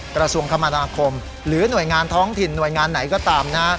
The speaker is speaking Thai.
กระทรวงคมนาคมหรือหน่วยงานท้องถิ่นหน่วยงานไหนก็ตามนะฮะ